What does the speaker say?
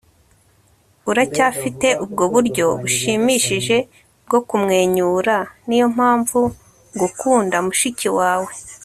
uracyafite ubwo buryo bushimishije bwo kumwenyura niyo mpamvu ngukunda mushiki wawe